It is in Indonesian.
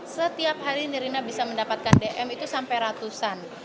setiap hari nirina bisa mendapatkan dm itu sampai ratusan